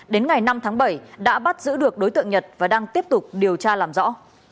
đến ngày năm tháng bảy đã bắt giữ được đối tượng nhật và đang tiếp tục điều tra làm rõ